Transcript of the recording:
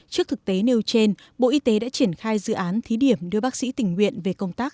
trước thực tế nêu trên bộ y tế đã triển khai dự án thí điểm đưa bác sĩ tình nguyện về công tác